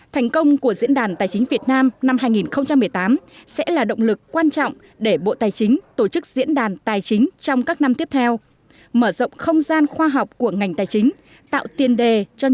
thành công của diễn đàn tài chính việt nam năm hai nghìn một mươi tám sẽ là động lực quan trọng để bộ tài chính tổ chức diễn đàn tài chính trong các năm tiếp theo mở rộng không gian khoa học của ngành tài chính tạo tiền đề cho những doanh nghiệp